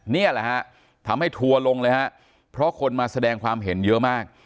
นี่แหละฮะทำให้ทัวร์ลงเลยฮะเพราะคนมาแสดงความเห็นเยอะมาก